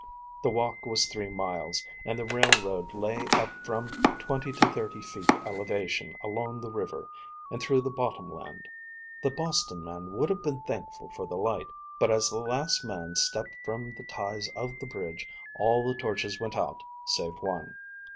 The walk was three miles, and the railroad lay at from twenty to thirty feet elevation along the river and through the bottom land. The Boston man would have been thankful for the light, but as the last man stepped from the ties of the bridge all the torches went out save one.